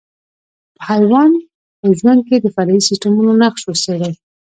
په حیوان په ژوند کې د فرعي سیسټمونو نقش وڅېړئ.